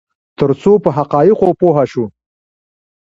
ترڅو په حقایقو پوه شو.